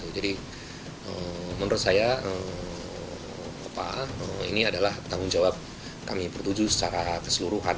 jadi menurut saya ini adalah tanggung jawab kami bertuju secara keseluruhan